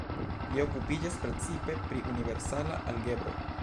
Li okupiĝas precipe pri universala algebro.